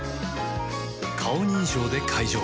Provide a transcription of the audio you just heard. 顔認証で解錠